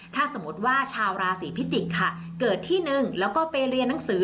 ถ้าสมมติว่าชาวราศีพิจิกษ์ค่ะเกิดที่หนึ่งแล้วก็ไปเรียนหนังสือ